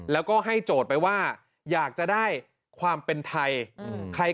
แล้วก็ให้โจทย์ไปว่าอยากจะได้ความเป็นไทย